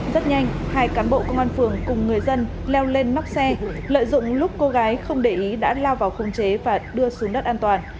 rất nhanh hai cán bộ công an phường cùng người dân leo lên móc xe lợi dụng lúc cô gái không để ý đã lao vào khống chế và đưa xuống đất an toàn